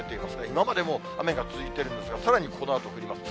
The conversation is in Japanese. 今までも雨が続いているんですが、さらにこのあと降ります。